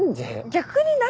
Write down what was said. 逆に何？